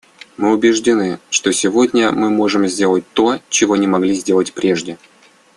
Мы убеждены, что сегодня мы можем сделать то, чего не могли сделать прежде.